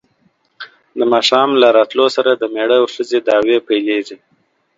د ماښام له راتلو سره د مېړه او ښځې دعوې پیلېږي.